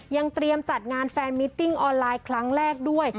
ยังเตรียมจัดงานแฟนมิติ้งออนไลน์ครั้งแรกด้วย